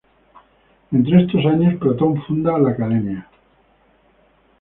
Entre estos años Platón funda la Academia.